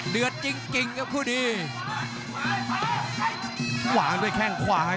รับทราบบรรดาศักดิ์